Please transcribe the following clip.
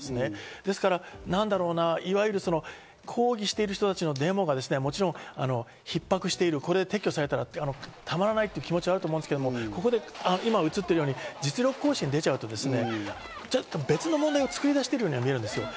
だから、なんだろうな、抗議している人たちのデモが、もちろんひっ迫している、撤去されたらたまらないという気持ちはあると思うんですけど、今、映ってるように実力行使に出ちゃうと、別の問題を作り出してるように見える。